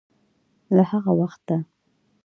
له هغه وخته